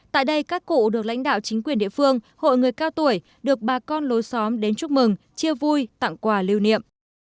tại đây các cụ được lãnh đạo chính quyền địa phương hội người cao tuổi được bà con lối xóm đến chúc mừng chia vui tặng quà lưu niệm